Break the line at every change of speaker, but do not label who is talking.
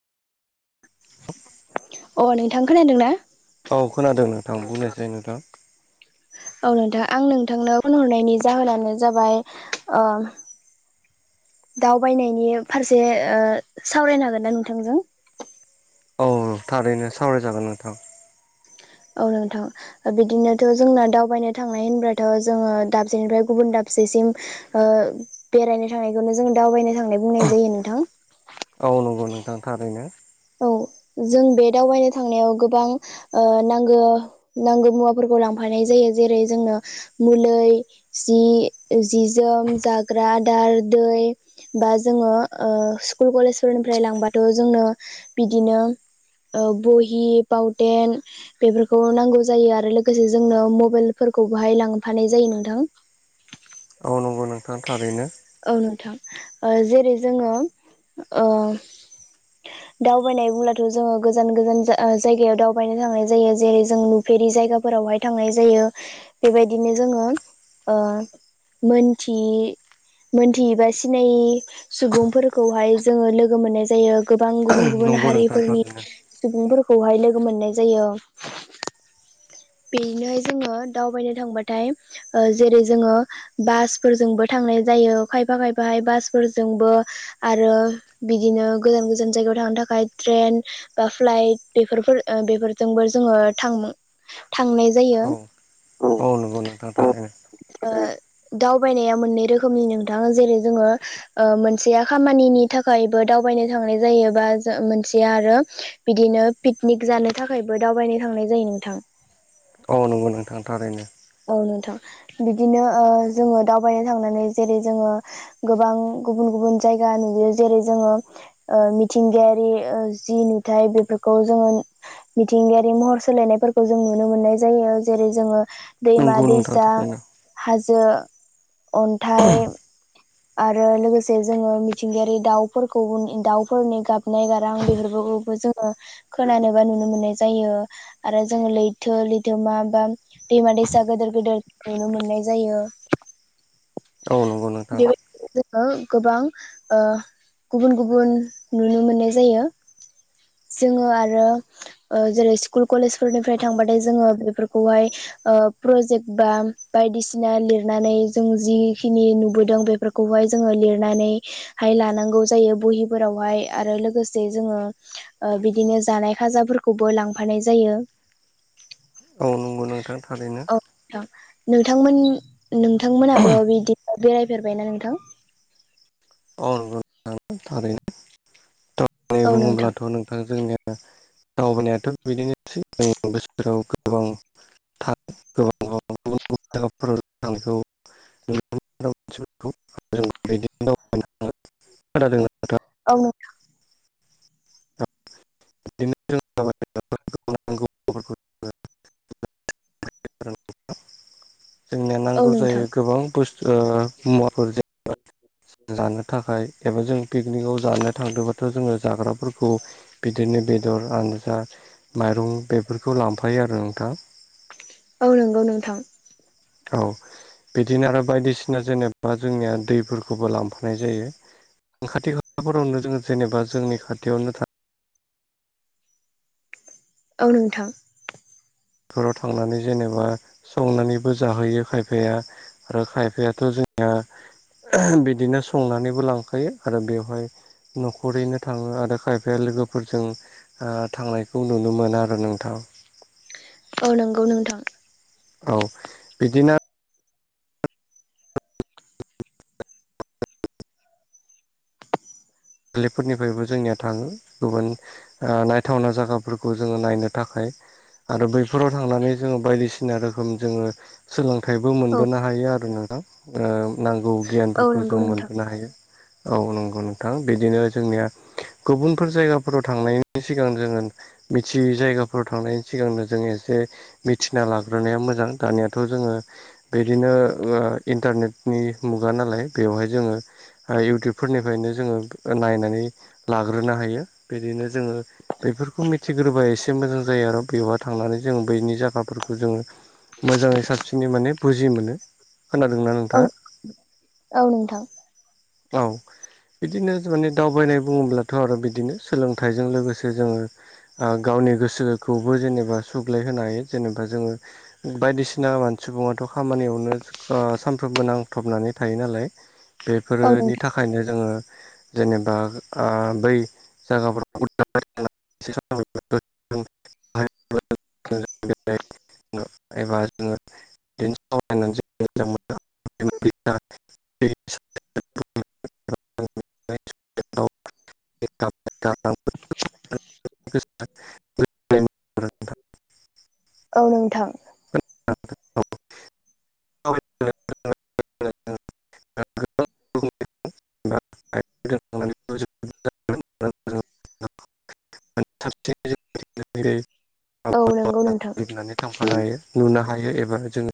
अ नोंथां खोनादों ना?
औ खोनादों नोंथां बुंनोसाय नोंथां
औ नोंथां आं नोंथांनो फनहरनायनि जाहोनानो जाबाय ओ दावबायनायनि फारसे ओ सावरायनो हागोन ना नोंथांजों?
औ थारैनो सावरायजागोन नोंथां।
औ नोंथां। बिदिनोथ' जोंना दावबायनो थांनाय होनब्लाथ' जोङो दाबसेनिफ्राय गुबुन दाबसेसिम ओ बेरायनो थांनायखौनो जों दावबायनो थांनाय बुंनाय जायो नोंथां।
औ नंगौ नोंथां थारैनो।
औ जों बे दावबायनो थांनायाव गोबां ओ नांगो-नांगौ मुवाफोरखौ लांफानाय जायो जेरै जोंनो मुलै जि जि जोम जाग्रा दार दै बा जोङो स्कुल कलेजफोरनिफ्राय लांबाथ' जोंनो बिदिनो बहि, पावथेन बेफोरखौ नांगौ जायो आरो लोगोसे जोंनो मबाइलफोरखौ बहाय लांफानाय जायो नोंथां।
औ नंगौ नोंथाङा थारैनो।
औ नोंथां ओ जेरै जोङो ओ दावबायनाय बुंब्लाथ' जोङो गोजान गोजान जायगायाव दावबायनो थांनाय जायो जेरै जों फेरि जायगाफोरावहाय थांनाय जायो बेबायदिनो जोङो ओ मोनथि मोनथियि बा सिनायि सुबुंफोरखौहाय जोङो लोगो मोननाय जायो। गोबां गुबुन-गुबुन
नंगौ नोंथां
हारिफोरनि
थारैनो
सुबुंफोरखौहाय लोगो मोननाय जायो। बेदिनोहाय जोङो दावबायनो थांबाथाय ओ जेरै जोङो बासफोरजोंबो थांनाय जायो खायफा खायफाहाय बासफोरजोंबो आरो बिदिनो गोजान-गोजान जायगायाव थांनो थाखाय ट्रेन बा फ्लाइट बेफोरफोर बेफोरजोंबो जोङो थांनाय जायो।
औ औ नंगौ नोंथां थारैनो।
ओ दावबायनाया मोननै रोखोमनि नोंथाङा जेरै जोङो ओ मोनसेया खामानिनि थाखायबो दावबायनो थांनाय जायो बा मोनसेया आरो बिदिनो पिकनिक जानो थाखायबो दावबायनो थांनाय जायो नोंथां।
औ नंगौ नोंथां थारैनो।
औ नोंथां बिदिनो ओ जोङो दावबायनो थांनानै जेरै जोङो गोबां गुबुन-गुबुन जायगा नुयो जेरै जोङो ओ मिथिंगायारि ओ जि नुथाय बेफोरखौ जोङो मिथिंगायारि महर सोलायनायफोरखौ जों नुनो मोननाय जायो जेरै जोङो दैमा
नंगौ नोंथां
दैसा
थारैनो
हाजो, अन्थाइ आरो लोगोसे जोङो मिथिंगायारि दाउफोरखौ दाउफोरनि गाबनाय गारां बेफोरखौ जोङो खोनानोबा नुनो मोननाय जायो। आरो जोङो लैथो, लैथोमा बा दैमा-दैसा गोदोर गोदेर नुनो मोननाय जायो।
औ नंगौ नोंथां
बेबायदिनो जोङो गोबां ओ गुबुन-गुबुन नुनो मोननाय जायो जोङो आरो ओ जेरै स्कुल कलेजफोरनिफ्राय थांबाथाय जोङो बेफोरखौहाय ओ प्रजेक्ट बा बायदिसिना लिरनानै जों जिखिनि नुबोदों बेफोरखौ खौहाय जोङो लिरनानै हाय लानांगौ जायो बहिफोरावहाय आरो लोगोसे जोङो ओ बिदिनो जानाय खाजाफोरखौबो लांफानाय जायो।
औ नंगौ नोंथां थारैनो।
औ नोंथां नोंथांमोनाबो बिदिनो बेरायफेरबायना नों थांग?
अ नंगौ नोंथां थारैनोै
औ नोंथां
बुङोब्लाथ' नोंथां जोंनिया दावबानायाथ' बिदिनोसै जों बोसोराव गोबां [inaudible] गुबुन गुबुन [unintelligible] खोनादों ना नोंथां?
औ
[unintelligible]
[inaudible]
जोंनो
औ
नांगौ
नोंथां
जायो गोबां बुस्थु ओ मुवाफोर जेन जानो थाखाय एबा जों पिकनिकाव जानो थांदोंबाथ' जोङो जाग्राफोरखौ बिदिनो बेदर आनजा माइरं बेफोरखौ लांफायो आरो नोंथां।
औ नोंगौ नोंथां।
औ बिदिनो आरो बायदिसिना जेनेबा जोंनिया दैफोरखौबो लांफानाय जायो। खाथि खालाफोरावनो जोङो जेनेबा जोंनि खाथियावनो था
औ नोंथां।
बेराव थांनानै जेनेबा संनानैबो जाहोयो खायफाया आरो खायफायाथ' जोंनिया बिदिनो संनानैबो लांखायो आरो बेवहाय न'खरैनो थाङो आरो खायफाया लोगोफोरजों ओ थांनायखौ नुनो मोना आरो नोंथां।
औ नंगौ नोंथां।
औ बिदिनो लिफोरनिफ्रायबो जोंनिया थाङो गुबुन ओ नायथावना जायगाफोरखौ जोङो नायनो थाखाय आरो बैफोराव थांनानै जोङो बायदिसिना रोखोम जोङो सोलोंथाइबो
औ
मोनबोनो हायो आरो नोंथां। ओ नांगौ
औ
गियानफोरखौ
नंगौ
जों
नोंथां
मोनबोनो हायो औ नंगौ नोंथां। बिदिनो जोंनिया गुबुनफोर जायगाफोराव थांनायनि सिगां जोङो मिथियै जायगाफोराव थांनायनि सिगांनो जों एसे मिथिना लाग्रोनायाया मोजां दानियाथ' जोङो। बिदिनो इन्टारनेटनि मुगा नालाय बेवहाय जोङो। इउटुबफोरनिफ्रायनो जोङो नायनानै लाग्रोनो हायो। बिदिनो जोङो बेफोरखौ मिथिग्रोबा एसे मोजां जायो आरो बेवार थांनानै जोङो बैनि जायगाफोरखौ जोङो मोजाङै साबसिनै माने बुजि मोनो खोनादोंना नों दा
औ
औ। बिदिनो माने दावबायनाय बुङोब्लाथ' आरो बिदिनो सोलोंथाइजों लोगोसे जोङो। गावनि गोसोखौबो जेनेबा सुग्लायहोनो हायो जेनेबा जोङो। बायदिसिना सुबुङाथ' खामानियावनो ओ सानफ्रोमबो नांथबनानै थायो नालाय
औ नोंथां
बेफोरोनि थाखायनो जोङो जेनेबा आ बै जागाफोरखौबो [inaudible] [inaudible] [inaudible] [inaudible] [inaudible]
औ नोंथां।
[inaudible] [inaudible] [inaudible]
औ नंगौ नोंथां
थांफानो हायो नुनो हायो एबा जोङो